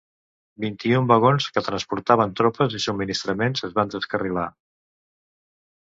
Vint-i-un vagons que transportaven tropes i subministraments es van descarrilar.